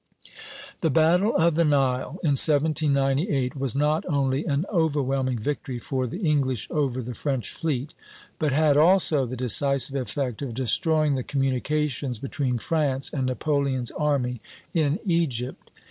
The battle of the Nile, in 1798, was not only an overwhelming victory for the English over the French fleet, but had also the decisive effect of destroying the communications between France and Napoleon's army in Egypt.